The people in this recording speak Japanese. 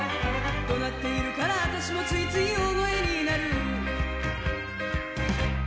「怒鳴っているから私もついつい大声になる」